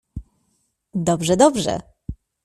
— Dobrze! dobrze!